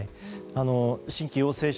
新規陽性者